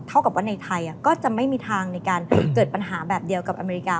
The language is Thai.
เท่ากับว่าในไทยก็จะไม่มีทางในการเกิดปัญหาแบบเดียวกับอเมริกา